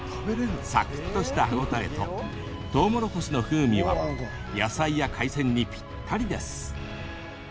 サクっとした歯応えととうもろこしの風味は野菜や海鮮にぴったりです。